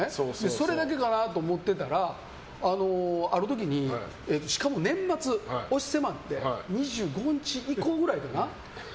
それだけかなと思ってたらある時にしかも年末、押し迫って２５日以降ぐらいかな。